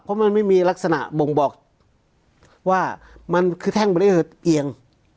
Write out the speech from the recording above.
เพราะมันไม่มีลักษณะบ่งบอกว่ามันคือแท่งไม่ได้เอียง